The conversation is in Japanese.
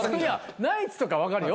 ナイツとかは分かるよ。